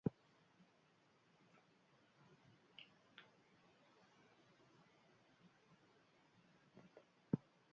Hainbat kontinentetakoa edo mundu osokoa denean, pandemia hitza erabiltzen da.